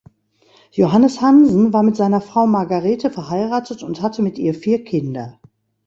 Johannes Hansen war mit seiner Frau Margarete verheiratet und hatte mit ihr vier Kinder.